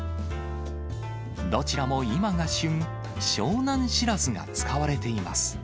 どちらも今が旬、湘南しらすが使われています。